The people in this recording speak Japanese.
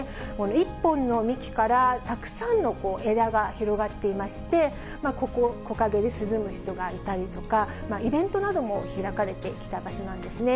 一本の幹からたくさんの枝が広がっていまして、木陰で涼む人がいたりとか、イベントなども開かれてきた場所なんですね。